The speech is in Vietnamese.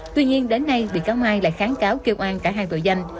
tuy nhiên đến nay bị cáo mai lại kháng cáo kêu an cả hai tội danh